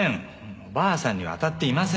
お婆さんには当たっていません。